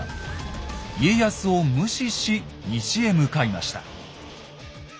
家康を無視し西へ向かいました。